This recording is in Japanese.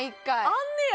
あんねや！